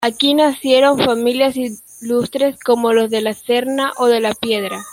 Aquí nacieron familias ilustres como los De la Serna o De la Piedra.